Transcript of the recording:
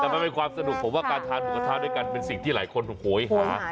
แต่มันเป็นความสนุกผมว่าการทานหมูกระทะด้วยกันเป็นสิ่งที่หลายคนโหยหา